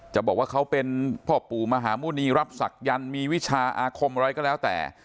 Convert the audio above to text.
จะบอกว่าเขาเป็นพ่อปู่มหาหมุณีรับศักยันต์มีวิชาอาคมอะไรก็แล้วแต่